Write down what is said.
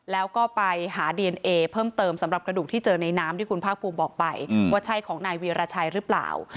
แล้วก็ไปหาดีเอนเอเพิ่มเติมสำหรับกระดูกที่เจอในน้ำที่คุณภาคภูมิบอกไปว่าใช่ของนายวีรชัยหรือเปล่า